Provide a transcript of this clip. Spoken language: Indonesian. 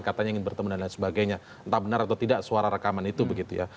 katanya ingin bertemu dan lain sebagainya entah benar atau tidak suara rekaman itu begitu ya